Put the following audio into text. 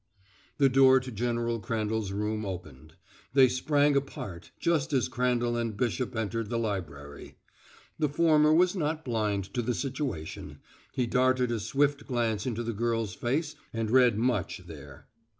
The door to General Crandall's room opened. They sprang apart just as Crandall and Bishop entered the library. The former was not blind to the situation; he darted a swift glance into the girl's face and read much there.